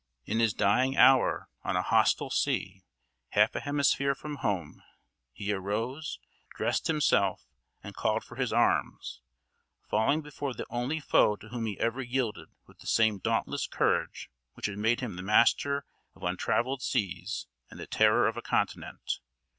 In his dying hour, on a hostile sea, half a hemisphere from home, he arose, dressed himself, and called for his arms; falling before the only foe to whom he ever yielded with the same dauntless courage which had made him the master of untravelled seas and the terror of a continent.